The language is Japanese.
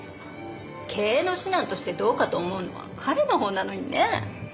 経営の指南としてどうかと思うのは彼のほうなのにね。